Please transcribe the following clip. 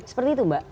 seperti itu mbak